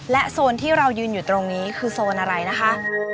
โซนที่เรายืนอยู่ตรงนี้คือโซนอะไรนะคะ